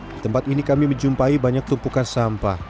di tempat ini kami menjumpai banyak tumpukan sampah